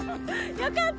よかった！